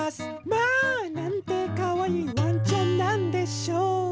「まあなんてかわいいワンちゃんなんでしょう」